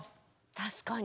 確かに。